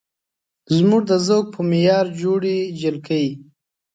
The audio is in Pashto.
زموږ د ذوق په معیار جوړې جلکۍ